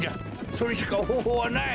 それしかほうほうはない！